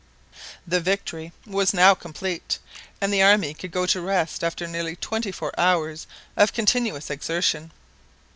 The victory was now complete, and the army could go to rest after nearly twenty four hours of continuous exertion.